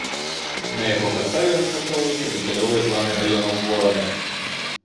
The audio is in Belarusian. На яго падставе распрацоўваюцца дэталёвыя планы раёнаў горада.